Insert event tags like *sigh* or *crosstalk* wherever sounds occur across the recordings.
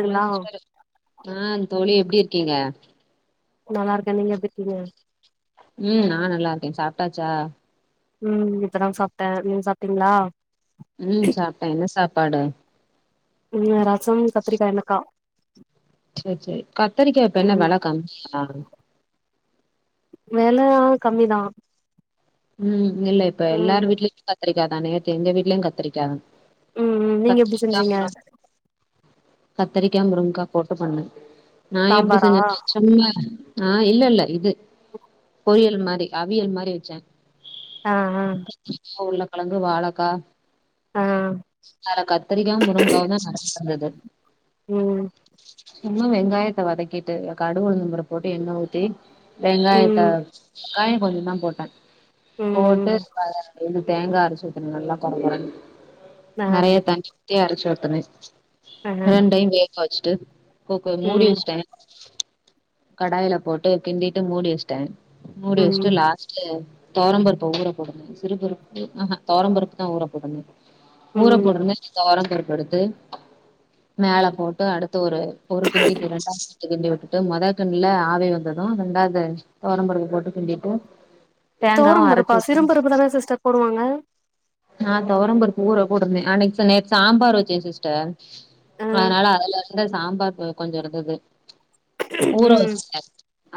Hello sister *inaudible* ஆ தோழி எப்டி இருக்கீங்க நல்லா இருக்க நீங்க எப்டி இருக்கிங்க ம் நா நல்லா இருக்கே சாப்ட்டாச்சா ம் இப்பதா சாப்ட்டே சாப்ட்டீங்களா ம் சாப்ட்டே என்ன சாப்பாடு ம் ரச கத்திரிக்கா எண்ணக்கா சேரி சேரி கத்திரிக்கா இப்ப என்ன ம் வெல கம்மியா வேலலா கம்மிதா ம் ம் இல்ல இப்ப ம் எல்லார் வீட்லயு கத்திரிக்காதானே நேத்து எங்க வீட்லயு கத்திரிக்காதா ம் ம் நீங்க எப்டி செஞ்சீங்க கத்திரிக்கா முருங்க்கா போட்டு பண்ண நா எப்டி சாம்பாரா செஞ்சே அ இல்லல்ல இது பொரியல் மாரி அவியல் மாரி வச்சே அ அ உள்ளக்கெழங்கு வாழக்கா ஆ அதுல கத்திரிக்கா முருங்க்காவுந்தா சரச்ருந்தது ம் சும்மா வெங்காயத்த வதக்கிட்டு கடுவு உளுந்தம் பருப்போட்டு எண்ண ஊத்தி வெங்காய்த்த ம் தக்காளி கொஞ்ச தா போட்டே போட்டு ம் அ ரெண்டு தேங்கா அரச்சூத்துனு நல்லா கொறகொறன் ஆ நெறைய தண்ணி த்தியு அரச்சூத்துனே ஆ ரெண்டையு வேக வச்சுட்டு குக்குர் மூடி ம் வச்டே கடாயில போட்டு கிண்டிட்டு மூடி வச்டே முடி வச்டு ம் லாஸ்ட்ல தொவரம்பருப்ப ஊற போடணு சிறுபருப்பு ஆஹ தொவரம்பருப்புதா ஊற போடணு ஊற ம் போட்டத்மே தொவரம்பருப்பு எடுத்து மேல போட் டு அடுத்து ஒரு ஒரு கிண்டிக்கு ரெண்டா *inaudible* கிண்டிவுட் டு மொத கிண்டுல ஆவி வந்தது ரெண்டாது தொவரம்பருப்பு போட்டு கிண்டிட்டு தேங்காவு அரைச்சு தொவரம்பருப்பா ஊத்தி சிறும்பருப்பு தானே சிஸ்டர் போடுவாங்க நா தொவரம்பருப்பு ஊர போட்ருந்தே அன்னைக் நேத் சாம்பார் வெச்சே சிஸ்டர் ஆ அதனால அதுல இருந்து சாம்பார் கொ கொஞ்ச இருந்தது ஊற ம் வச்ட்டே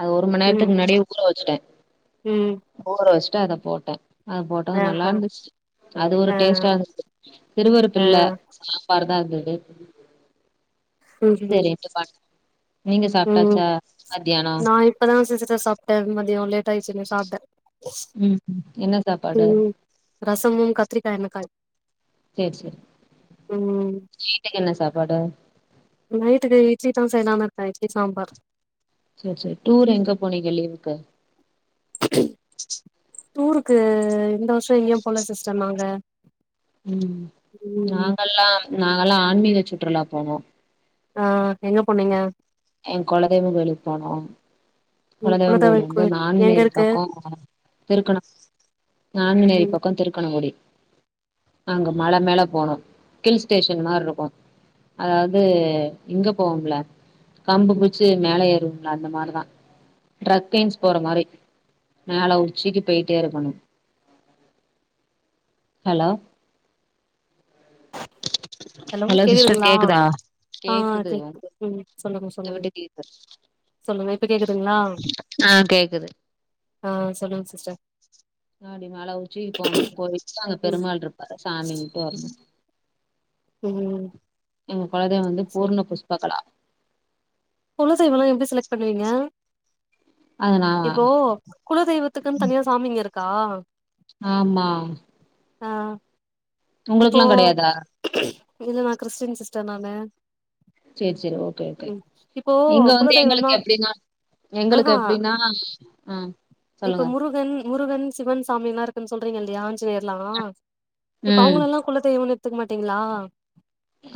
அது ஒரு மண்நேரத்துக்கு ம் முன்னாடியே ஊற வச்சுட்டே ம் ஊற வச்ட்டு அத போட்டே அத ஆ போட்டது ஆ நல்லாருந்தச்சி அது ஒரு ஆ டேஸ்ட்டா இருந்தது ஆ திறுவறுப்பிள்ள சாம்பாடு தா இருந்தது ம் செரிட்டு சாப் நீங்க ம் சாப்ட்டாச்சா மதியானோ நா இப்பதா சிஸ்டர் சாப்ட்டே மதிய லேட் ஆயிட்ச்சினு சாப்ட்டே ம் ம் என்ன சாப்பாடு ரசமு கத்திரிக்கா எண்ணக்காயு சேரி சேரி ம் வீட்டுக்கென்ன சாப்பாடு நீ வீட்டுக்கு இட்லி தோச நா தா இருப்பே இட்லி சாம்பார் சேர் சேர் டூர் எங்க போனீங்க லீவுக்கு டூருக்கு இந்த வருஷ எங்யு போல சிஸ்டர் நாங்க ம் ம் நாங்கலா நாங்லா ஆன்மீக சுற்றுலா போனோ ஆ எங்க போனீங்க ஏ கொலதெய்வ கோயிலுக் போனோ ம் குலதெய்வ கொலதெய்வகோயிலந்து கோயில் எங்க நாங்குநெரி இருக்கு பக்கோ திருக்கண நாங்குநெரி ம் பக்கோ திருக்கணங்குடி அங்க மல மேல போனோ கில் ஸ்டேஷன் மார்ருக்கு அதாது இங்க போவோம்ல கம்பு பூச்சே மேல ஏறும்ல அந்த மார்தா ட்ரக்கின்ஸ் போற மாரி மேல உச்சிக்கி பொயிட்டே இருக்குனு ஹலோ ஹலோ சிஸ்டர் கேக்குதுங்களா கேக்குதா ஆ கேக்குது கேக்து உங்க ம் சொல்லுங்க விட்டு சொல்லுங்க விட்டு கேக்குது சொல்லுங்க இப்ப கேக்குதுங்களா ஆ கேக்குது ஆ சொல்லுங் சிஸ்டர் அப்டி மல உச்சிக் போனோ பொயிட்டு அங்க ம் பெருமாள் இருப்பாரு சாமின்டு வர்னு ம் எங் கொலதெய்வ வந்து சேரி பூர்ண புஷ்ப்பகலா குல தெய்வலா எப்டி செலெக்ட் பண்ணுவிங்க அதனால வர குலதெய்வத்துக்குன் தனியா சாமிங்க இருக்கா ஆமா அ இப்போ உங்களுக்குல்லா கெடையாதா இல்லா நா கிறிஸ்டின் சிஸ்டர் நானு செர் செர் ஓகே ஓகே ம் இப்போ இங்க வந்து குலதெய்வம்னா எங்களுக்கு எப்டினா எங்களுக்கு ஆஹா எப்டினா அ இப்ப முருகன் முருகன் சிவன்சாமில்லா இருக்குன் சொல்றிங்க இல்லியா ஆஞ்சநேயர்லா இப்போ ம் அவுங்களெல்லா குலதெய்வன்னு எட்த்துக்க மாட்டீங்ளா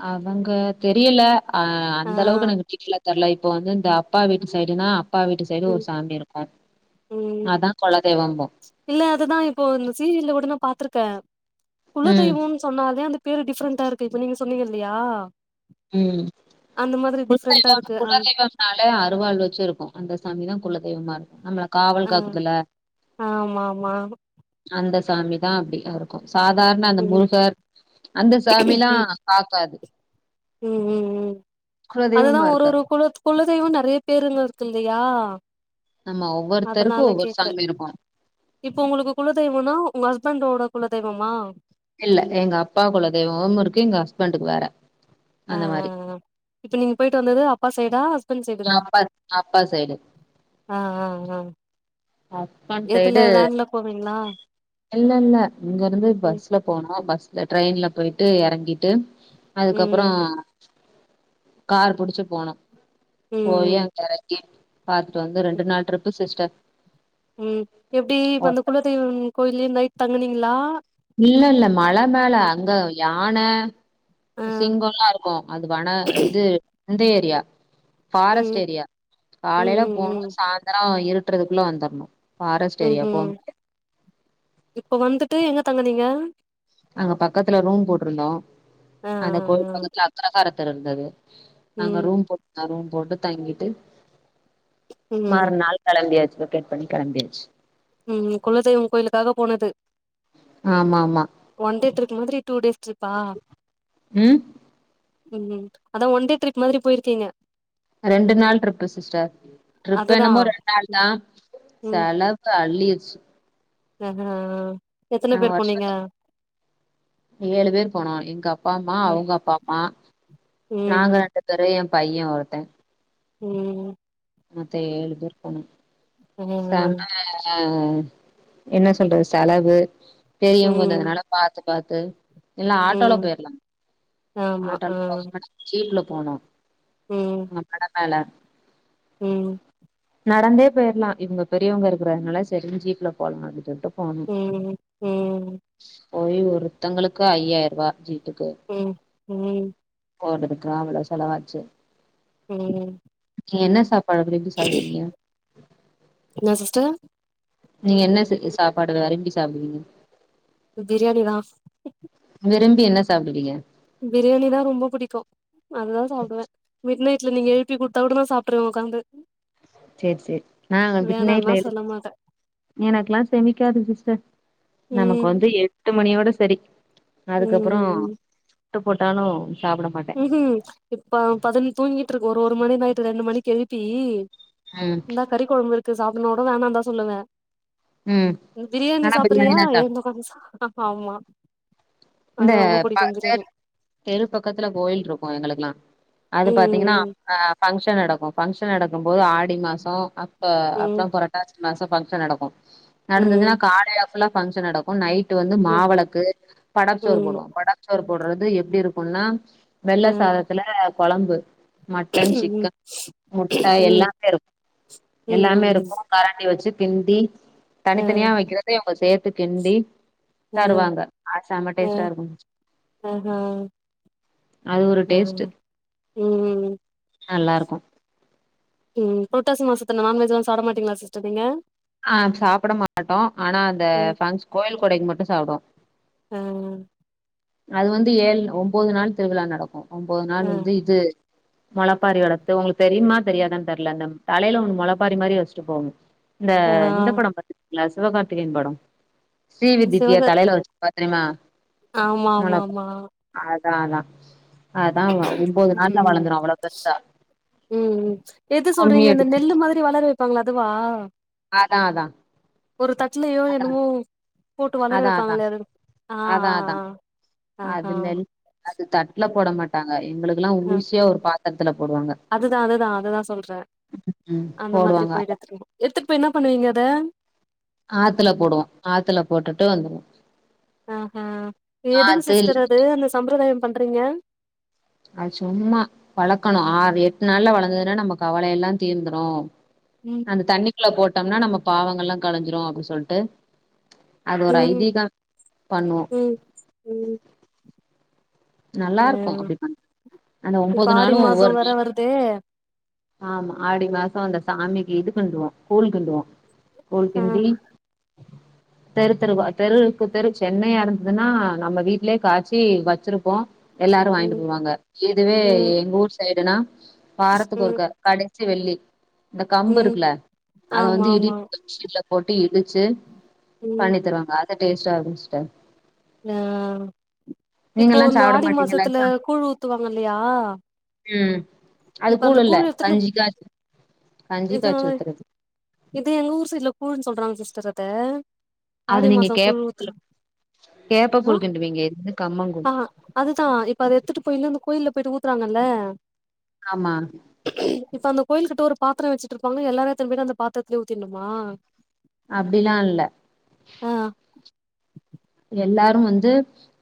அவங்க தெரியல அ ஆ அந்தளவுக்கு எனக்கு டீடெய்லா தெர்ல இப்போ வந்து இந்த அப்பா வீட்டு சைடுனா அப்பா வீட்டு சைடு ஒரு ம் சாமி இருக்கோ ம் அதா குலதெய்வோன்போ இல்ல அதுதா இப்போ இந்த சீரியல்ல கூட நா பாத்துருக்கே ம் குலதெய்வோன் சொன்னாலே இந்த பேரு டிஃபரண்டா இருக்கு இப்ப நீங்க சொன்னீங்க இல்லயா ம் *inaudible* டிஃப்ரெண்டா இருக்கு அந் குலதெய்வம் னாலே அருவாள் வெச்சி இருக்கோ அந்த சாமிதா குலதெய்வமா இருக்கோ நம்மள காவல் ஆ காக்குதுல ஆமா ஆமா அந்த சாமிதா அப்டி இரு க்கு சாதார்ண அந்த ம் முருகர் அந்த சாமிலா ம் காக்காது ம் ம் அதுதா குலதெய்வமா ஒரு இருக்காது ஒரு குல குலதெய்வோ நெறைய பேருங்க இருக்கில்லையா ஆமா ஒவ்வொருத்தருக்கோ ஒவ்வொரு சாமி இருக்கோ இப்ப உங்களுக்கு குலதெய்வனா உங்க ஹஸ்பண்டோட குலதெய்வமா இல்ல எங்க அப்பா குலதெய்வோம் இருக்கு எங்க ஹஸ்பண்டுக்கு வேற அ அ அந்த அ மாதிரி அ அ அ இப்போ நீங்க போய்ட்டு வந்தது அப்பா சைடா ஹஸ் எ அப்பாத் அப்பா சைடு அ அ அ ஹஸ்பண்ட் எதுல வேன்ல போகுறீங்ளா இல்லல்ல இங்கருந்து பஸ்ல போனா பஸ்ல ட்ரெயின்ல போய்ட்டு எறங்கிட்டு அதுக்கப்புறோ ம் காரு புடிச்சி போனோ ம் போயி ம் அங் க எறங்கி பாத்துட்டு வந்து ரெண்டு நாள் ட்ரிப்பு சிஸ்டர் ம் எப்டி ஓ, இப்ப அந்த குலதெய்வம் கோயில்லே நைட் தங்கினீங்ளா இல்ல இல்ல மல மேல அங்க யான ஆ சிங்கல்லா இருக்கு அது வன இது இந்த ஏரியா ஃபாரஸ்ட் ம் ஏரியா ம் காலையில போனோ ம் சாந்தரா இருட்டுறதுக்குள்ள வந்தர்னோ ம் ம் இப்ப வந்துட்டு எங்க தங்கனீங்க அங்க பக்கத்துல ரூம் போட்டுருந்தோ ஆ அந்த கோவில் ஆ பக்கத்துல அக்ரஹார தெரு இருந்தது ம் அங்க ரூம் போட் அ ரூம் போட்டு தங்கிட்டு ம் மறுநாள் களம்பியாச்சி வெக்கெட் பண்ணி கெளம்பியாச்சி ம் குலதெய்வம் கோயிலுக்காக போனது ஆமா ஆமா ஒன் டே ட்ரிப் மாதிரி டூ டேஸ் ட்ரிப்பா ம் ம் ம் அதா ஒன்டே ட்ரிப் மாதிரி போயிருக்கிங்க ரெண்டு நாள் ட்ரிப்பு சிஸ்டர் ட்ரிப் அதுதா என்னமோ ரெண் நாள்தா செல வு அள்ளிருச்சி அ ஆ எத்தன நா பேர் போனீங்க வருஷத்துக் ஏழு பேரு போனோ எங்க அப்பா அம்மா அவுங்க அப்பா அம்மா ம் நாங்க ரெண்டு பேரு எ பைய ஒருத்த ம் மொத்த ஏழு பேர் போனோ ஆ. சாம் ஆ என்ன சொல்றது செலவு பெரியவங்க ம். வந்ததுனால பாத்து பாத்து எல்லா ஆட்டோல ம். போய்ர்லா ஆமா. ஆட்டோல ஆ. போன கீல்ல போனோ ம். அங்க மட மேல ம் நடந்தே போய்ர்லா இவங்க பெரியவங்க இருக்கிறனால செரின் ஜீப்ல போலா அப்டின் சொல்ட்டு போனு ம். ம். போயி ஒருத்தங்களுக்கு ஐயாயிருவா ஜீப்புக்கு ம் ம் போறதுக்குலா அவ்ளோ செலவாச்சு ம் என்ன சாப்பாடு அப்டி எப்டி சாப்டுவிங்க என்னா சிஸ்டர் நீ என்ன செ சாப்பாடு வரம்பி சாப்டுவீங்க பிரியாணி தா விரும்பி என்ன சாப்டுவீங்க பிரியாணி தா ரொம்ப புடிக்கு அதா சாப்டுவ மிட் நைட்ல நீங்க எழுப்பி குடுத்தா கூட நா சாப்ட்ருவ உக்காந்து செரி செரி நாங்க மிட் நைட்ல வேணான்லாம் எழுப் சொல்ல மாட்டேன். எனக்குலா செமிக்காது சிஸ்டர் நமக்கு ம். வந்து எட்டு மணியோட செரி அதுக்கப்பற ம். சுட்டு போட்டாலு சாப்ட மா ம்ஹும் இப்ப பதின்ன தூங்கிட்ருக்கு ஒரு ஒரு மணி நைட் ரெண்டு மணிக்கு எழுப்பி ம் இந்தா கறி கொழம்பு இருக்கு சாப்டுன்னா கூட வேணாந்தா சொல்லுவ ம் பிரியாணி ஆனா சாப்ட்றியா பிரியாணினா சாப் ஏந்து உக்காந்து சாப்டுவ ஆமா இந்த அது ரொம்ப புடிக்கும் தெ பிரியாணி. தெரு பக்கத்துல கோயில் இருக்கு எங்களுக்குலா அது ம் பாத்தீங்கனா ம் ஆ பங்க்ஷன் நடக்கு பங்க்ஷன் நடக்கு போது ஆடி மாச அப்ப அப்ற புரட்டாச்சி மாச பங்க்ஷன் நடக்கு நடந்ததுன்னா ம் காலைல ஃபுல்லா பங்க்ஷன் நடக்கு நைட்டு வந்து ம் ம் மாவெளக்கு படப் சோறு ம் போடுவோ படப் சோறு போடுறது எப்டி இருக்கும்னா வெள்ள ஆ சாதத்துல கொழம்பு மட்டன் ம் சிக்கன் முட்ட ம் எல்லாமே இருக்கு எல்லாமே ம் இருக்கு கராண்டி வச்சு கின்டி அ தனித்தனியா வைக்கிறத இவங்க சேத்து கின்டி தருவாங்க அது செம ஓ டேஸ்ட்டா இருக்கு ஓஹோ அது ஒரு ம் டேஸ்ட்டு ஓ நல்லா இருக்கு புரட்டாசி மாசத்துல நான்வெஜ்ல்லா சாப்டமாட்டீங்ளா சிஸ்டர் நீங்க ஆ சாப்ட மாட்டோ ஆனா அந்த ம் பங்க்ஷ கோயில் கொடைக்கு மட்டு சாப்டுவோ ம் அது வந்து ஏழு ஒன்பது நாள் திருவிழா நடக்கு ஒன்பது ஆ நாள் வந்து இது மொளப்பாரி வளத்து உங்களுக்கு தெரியுமா தெரியாதான் தெரில அந்த தலைய ஒன்னு மொளைப்பாரி மாரி வச்சிட்டு போவ்ங்க இந்த ஆ இந்த பட பாத்துர்கீங்ளா சிவகார்த்திகேயன் பட ஸ்ரீ விதிப்பியா சிவகத் தலைல வச்சு பத்ரிமா ஆமா ஆமா ஆமா அதா அதா அதா ஒன்பது ம் நாள்ல ம் வளர்ந்துரு அவ்ளோ பெருசா ம் எது கும்மி சொல்றீங்க இந்த அடி நெல்லு மாரி வளர வப்பாங்களே அதுவா அதா அதா ஒரு தட்லயோ என்னமோ போட்டு வளர அதான் அதான் வப்பாங்கலே ஆ ஆ அதான் ஆ அதான் அது ஆஹா நெல் அது தட்ல ம் போட மாட்டாங்க எங்களுக்குல்லா அ ஊசியா ஒரு பாத்திரத்துல போடுவாங்க அதுதா அதுதா அததா சொல்றே ம் அந்த மாதிரி போடுவாங்க போயிட்டு எத்துட்டு எடுத்து போயிடு என்ன பண்ணுவீங்க அத ஆத்துல போடுவோ ஆத்துல போட்டுட்டு வந்ருவோ ஆஹ எதுங் ஆத்து இல்ல சிஸ்டர் அது அந்த சம்ரதாய பண்றீங்க அது சும்மா வளக்கணு ஆறு எட் நாள்ல வளந்ததுன்னா நம்ம கவல எல்லா தீந்துரு ம் அந்த தண்ணிக்குள்ள போட்டோம்னா நம்ம பாவங்கள்ல்லா களஞ்சிரு அப்டின் சொல்ட்டு அது ஒரு ம் ஐதீகம் பண்ணுவோ ம் ம் நல்லார்க்கு ம் அப்டி பண் அந்த இப்ப ஒம்பது ஆடி நாளு மாசோ ஒவ்வொரு வேற வீக் வருது ஆமா ஆடி மாச அந்த சாமிக்கு இது கிண்டுவோ கூழ் கிண்டுவோ கூழ் ஆ கிண்டி தெரு தெருவா தெருக்கு தெரு சென்னையா இருந்ததுன்னா நம்ம வீட்லயே காச்சி வச்சிருப் போ எல்லாரு வாங்ட்டு ம் போவாங்க இதுவே ம் எங்க ஊர் சைடுனா வாரத்துக்கு ம் ஒருக்க கடசி வெள்ளி இந்த கம்பு ம் இருக்குல அத ஆமா வந்து இடி ஆமா *unintelligible* போட்டு இடிச்சி ம் பண்ணி தருவாங்க அத டேஸ்ட்டா இருக்கு சிஸ்டர் ஆ இப்போ நீங்கல்லா அந்த சாப்ட ஆடி மாட்டீங்களா மாசத்துல சா கூழ் ஊத்துவாங்க இல்லையா ம் அது இப்ப அந்த கூழ் இல்ல எடுத்துட்டு கஞ்சி காய்ச் கஞ்சி இது காச்சி ஊத்றது இது எங்க ஊர் சைட்ல கூழ்ன் சொல்றாங்க சிஸ்டர் அத அது ஆடி நீங்க மாசோ கேப் கூழ் ல்ல ஊத்துறாங்க கேப்ப கூழ் கிண்டுவிங்க இது வந்து கம்மங்கூ அ அதுதா இப்ப அத எத்துட்டு போய்லா கோயில்ல போயிட்டு ஊத்தறாங்கல்ல ஆமா இப்ப அந்த கோயில்கிட்ட ஒரு பாத்ர வச்சுட்டு இருப்பாங்க எல்லாரு எத்துன் போயிட்டு அந்த பாத்ரத்திலயே ஊத்திணுமா அப்டிலா இல்ல ஆ எல்லாரு வந்து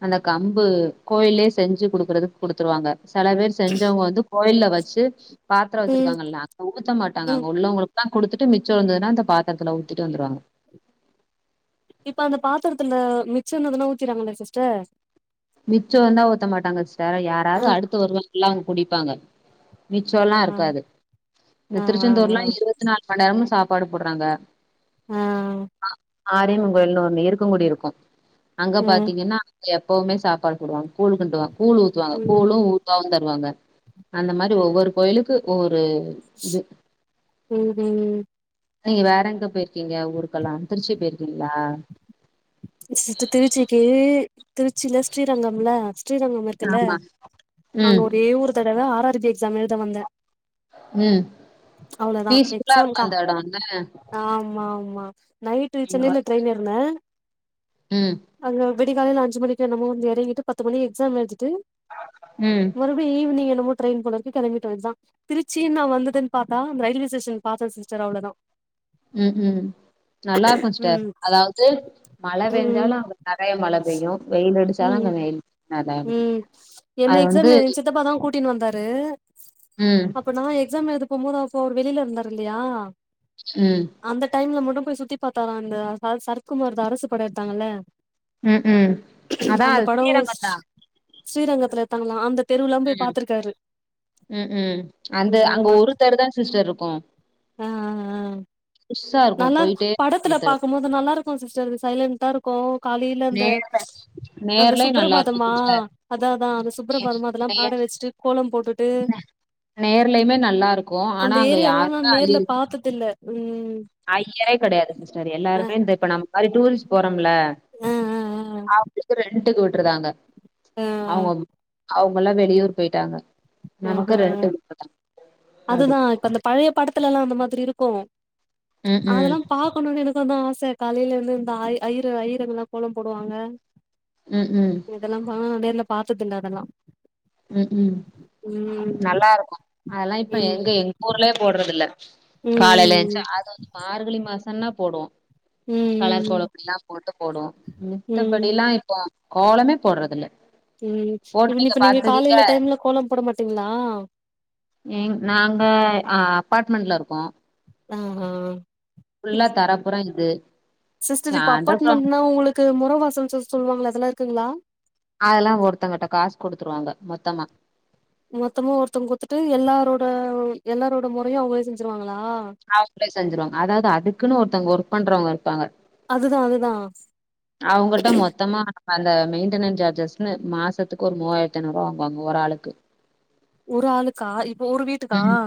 அந்த கம்பு கோயில்லய செஞ்சு குடுக்குறது குடுத்துருவாங்க செல பேர் செஞ்சவங்க வந்து கோயில்ல வச்சி பாத்ர ம் வச்சிருக்காங்கல்ல அங்க ஊத்த மாட்டாங்க ம் அங்க உள்ளவங்களுக் ல்லா குடுத்துட்டு மிச்ச இருந்தததுன்னா அந்த பாத்தரத்துல ஊத்திட்டு வந்துருவாங்க இப்ப அந்த பாத்தரத்துல மிச்சன்னதுனா ஊத்திறாங்கள சிஸ்டர் மிச்ச இந்தா ஊத்த மாட்டாங்க சார் யாராவது ஆ அடுத்து வருவாங் எல்லா அவங்க குடிப்பாங்க மிச்ச எல்லா ஆ இருக்காது இந்த ஆ ஆ ஆ திருச்செந்தூர்லா இருவத் த்து நால் மண்நேரமு சாப்பாடு போட்றாங்க அ ஆரையம்மன் கோயில்ன்னு ஒன்னு இருக்கன்குடி இருக்கு அங்க ம் பாத்தீங்கன்னா அங்க எப்பமே சுத் சாப்பாடு போடுவாங்க கூழ் கிண்டுவாங்க கூழு ஊத்துவாங்க ம் கூழு ஊத் மாவம் தருவாங்க அந்த மாரி ஒவ்வொரு கோயிலுக்கு ஒவ்வொரு ம் ம் நீங்க வேற எங்க போய்ருக்கீங்க ஊருக்கெல்லா திருச்சி போய்ருக்கீங்களா சி சி திருச்சிக்கு திருச்சில ஸ்ரீரங்கம்ல ஸ்ரீரங்கம் இருக்குல்ல ஆமா அங்க ம் ஒரே ஒரு தடவ ஆர் ஆர் பி எக்ஸாம் எழுத வந்தே ம் அவ்ளோதா பீஸ்ஃபுல்லாருக்கு எக்ஸாம்கா அந்த எட ன்ன ஆமா ஆமா நைட்டு சென்னைல ட்ரென் ஏறுனே ம் அங்க வெடிகாலைல அஞ்சு மணிக்க என்னமோ நம்ம வந்து எறங்கிட்டு பத்து மணிக்கு எக்ஸாம் எழுதிட்டு ம் மறுபடியு ஈவினி்ங் என்னமோ ட்ரெயின் போல இருக்கு கெளம்பிட்டோ எக்ஸா திருச்சிய நா வந்துட்டன் பாத்தா அந்த ரயில்வேஸ்டேஷன் பாத்தே சிஸ்டர் அவ்ளதா ம் ம் நல்லா இருக்கு சிஸ்டர் ம் அதாவது மழை ம் பெய்ஞ்சாலு க நெறைய மழை பெய்யு வெயில் அடிச்சாலு ம் அங்க வெய்ல் ம் என்ன எக்ஸாம் எங் சித்தப்பாதா கூட்டினு வந்தாரு ம் இப்ப நா எக்ஸாம் எழுத போம் போது அப்போ அவரு வெளியல இருந்தாரு இல்லையா ம் அந்த டைம்ல மட்டு போய் சுத்தி பாத்தாரா அந்த ச சரத்குமாருது அரசு பட எடுத்தாங்கல்ல ம் ம் அதா அந்த அது படம் ஸ் ஸ் ஸ்ரீரங்கந்தா ஸ்ரீரங்கத்துல எடுத்தாங்கலா அந்த தெருவுலா போய் ம் பாத்துருக்காரு ம் ம் அந்த ம் அங்க மத் ஒரு தர தா சிஸ்டர் இருக்கு ஆ ஆ ஆ பெருசா இருக்கு நல்லா இருக் போயிட்டே ஒரு படத்துல தெரு பாக்குபோது நல்லா இருக்கு சிஸ்டர் இது சைலண்டா இருக் போ காலையில அந்த நேர்ல அந்த நேர்லயு நல்லா இருக்கு சுப்ரபாதமா சிஸ்டர் அத அத தான் அந்த சுப் சுப்ரபாதம அதெல்லா நே பாட வச்சிட்டு கோலம் போட்டுட்டு நேர்லயுமே நல்லா இருக்கும். அந்த ஆனா அங்க ஏரியாலா நா யாருமே ஐ நேர்ல பாத்ததில்ல ம் ஐயரே கெடயாது சிஸ்டர் அ எல்லாருமே இந்த இப்ப நம் மாரி டூரிஸ்ட் போறோமுல அ அ அவுங்ளுக்கு ரெண்டுக்கு உட்ருதாங்க அ அ அவுங்க அவுங்களா வெளியூர் பேயிட்டாங்க ஆ ஆ அப்டி. அதுதா இப்ப அந்த பழைய படத்துலலா அந்த மாதிரி இருக்கு ம்ஹ்ம். அதெலா பாக்கணுனு எனக்கு அதா ஆச காலைலருந்து இந்த ஐ ஐயிரு ஐயிருங்லா கோலம் போடுவாங்க ம் ம் இதெலாமா நேர்ல பாத்ததுல்ல அதெலா ம் ம் ம் நல்லாருக்கு அதெலா இப்ப ம் எங்க எங் ஊர்லே போட்றதுல்ல ம் காலைல எஞ்ச்சி ம் அது வந்து மார்கழி மாசன்னா போடுவோ ம் கலர் ம் கோலபொடிலா போட்டு போடுவோ ம் மித்தபடிலா இப்போ கோலமே போடுறதுல்ல ம் இவ் இப்ப நீங்க காலைல டைம்ல கோலம் போட மாட்டீங்ளா ம் நாங்க அ அப்பார்ட்மெண்ட்லருக்கோ ஆ ஆ ஃபுல்லா தரப்புற இது சிஸ்டர் இப்ப அண்டர் கிரவுண்ட் அப்பார்ட்மெண்ட்னா உங்ளுக்கு மொற வாசல் சொல் சொ சொல்வாங்ளா அதெலா இருக்குங்ளா அதெலா ஒருத்தங்கட்ட காசு குடுத்துருவாங்க மொத்தமா மொத்தமு ஒருத்தவுங் குத்துட்டு எல்லாரோட எல்லாரோட மொறயு அவுங்களே செஞ்சுருவாங்களா அவுங்ளே செஞ்சுருவாங் அதாவது அதுக்குன்னு ஒருத்தவுங் ஒர்க் பண்றவங்கருப்பாங்க அதுதா அதுதா அவுங்கட்ட மொத்தமா அந்த மெயின்டெனன் சார்ஜஸ்ன்னு மாசத்துக் ஒரு மூவாயிரத்ஐநூரூவா வாங்குவாங் ஒரு ஆளுக்கு ஒரு ஆளுக்கா இப்போ ஒரு வீட்டுக்கா ம்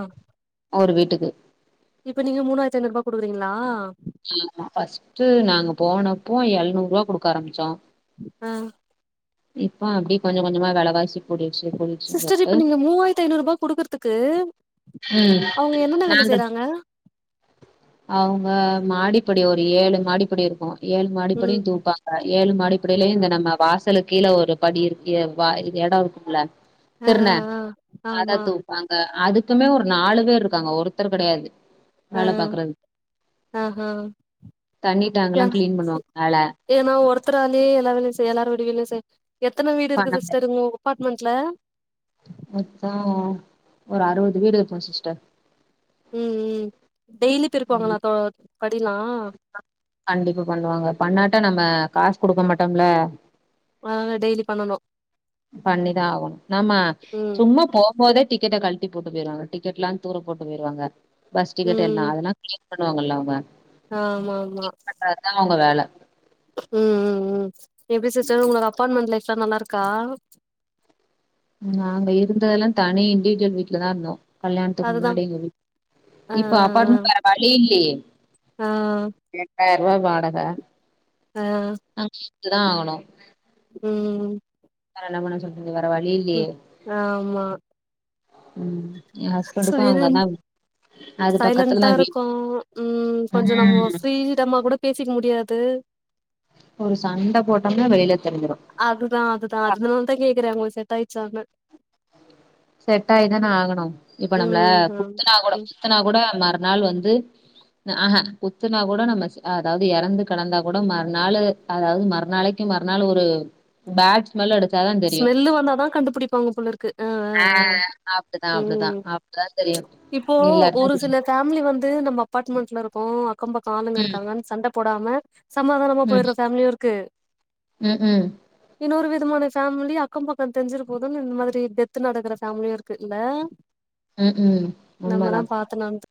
ஒரு வீட்டுக்கு இப்ப நீங்க மூணாயிரத்ஐநூரூபா குடுக்றீங்ளா ஆமா ஃபர்ஸ்டு நாங்க போனப்போ எழ்நூற்வா குடுக்க ஆரமிச்சோ ஆ இப்போ அப்டி கொஞ்ச கொஞ்சமா வெலவாசி கூடிடுச்சு கூடிடுச்சுன்னு சிஸ்டர் சொல்ட்டு இப்ப நீங்க மூவாயிரத்ஐநூறுபா குடுக்றதுக்கு அவ்ங்க என்னென்ன வேல செய்றாங்க அவ்ங்க மாடிப்படி ஒரு ஏழு மாடிப்படிருக்கு ஏழு ம் மாடிப்படியு தூப்பாங் ஏழு மாடிப்பலயு இந்த நம்ம வாசலுக் கீழ ஒரு படி இருக் எ வ எடருக்குல்ல ஆ ஆ துர்ன ஆ அத ஆமா தூப்பாங்க அதுக்குமே ஒரு நாலு பேர் இருக்காங்க ஒருத்தர் கெடையாது ஆ வேல பாக்குறது ஆஹா தண்ணி டேங்கலா க்ளீன் பண்ணுவாங்க மேல ஏனா ஒருத்தராளே எல்லா வேலயு செய்யலார் வீடுவிலயு செய் எத்தன வீடு இருக்கு பண்ணல சிஸ்டர் உங்க அப்பார்ட்மெண்ட்ல மொத்தோ ஒரு அறுவது வீடு இருக்கு சிஸ்டர் ம் ம் டெய்லி பெருக்வாங்களா ம். தொ படிலா கண்டிப்பா பண்ணுவாங்க பண்ணாட்டா நம்ம காஸ் குடுக்க மாட்டோம்ல அதனால டெய்லி பண்ணணு பண்ணிதா ஆகணு நம்ம ம் சும்மா போ போதே டிக்கெட்ட கழ்ட்டி போட்டு போய்ருவாங்க டிக்கெட்லா தூர போட்டு போய்ருவாங்க பஸ் டிக்கெட்டு எல்லா அதெல்லா க்ளீன் பண்ணுவாங்கல்ல அவங்க ஆமாமா அதா அவங்க வேல ம் ம் ம் எப்டி சிஸ்டர் உங்களுக் அப்பார்ட்மெண்ட் லைஃப்லா நல்லாருக்கா நாங்க இருந்ததெலா தனி இண்டிஜுவல் வீட்லதா இருந்தோ கல்யாணத்துக்கு அதுதா முன்னாடி எங்க வீட் ஆ இப்ப அப்பார்ட்மெண்ட் வேற வழி இல்லியே ஆ எட்டாயிரூவா வாடக ஆ *unintelligible* ஆகணு ம் வேர என்ன பண்ண சொல்லுதீங்க வேர வழி இல்லயே ம் ஆமா ம் எ ஹஸ்பண்டுக்கு சைலண்ட் அங்கதா அது சைலன்டா பக்கத்துலதா வீட் இருக்கு ம் கொஞ்சோ நம்ம ம் ஃப்ரீடம்மா கூட பேசிக்க முடியாது ஒரு சண்ட போட்டோம்னா வெளில தெரிஞ்சிரு அதுதா அதுதா அதுனாலதா கேக்குறே ஒங்களுக்கு செட்டாய்ரிச்சானு செட் ஆயிதான ஆகணு இப்ப நம்மள ம் ஆ குத்துனா கூட ம் குத்துனா கூட மறுநாள் வந்து ஆ ஹா குத்துனா கூட நம்ம அதாவது எறந்து கெடந்தா கூட மறுநாளு அதாவது மறுநாளைக்கி மறுநாள் ஒரு பேட் ஸ்மெல் அடிச்சாதா தெரியு ஸ்மெல்லு வந்தா தா கண்டுபிடிப் பாங்க போலருக்கு ஆ அப்டிதா அப்டிதா அப்டிதா தெரியு இப்போ இல்லாட்டினா ஒரு தெரியா சில *unintelligible* ஃபேமிலி வந்து நம்ம அப்பாட்மெண்ட்ல இருக்கோ அக்கோ பக்கோ ஆளுங்க ம் இருக்காங்கன் சண்ட போடாம சமாதானமா ம் போய்ட்ற ஃபேமிலியு இருக்கு ம் ம் இன்னொரு விதமான ஃபேமிலி அக்கோ பக்கோ தெரிஞ்சிர போதுன்னு இந்த மாதிரி டெத்து நடக்குற ஃபேமிலியு இருக்கு இல்ல ம் ம் உண்மதா நம்மதா பாத்து நடந்து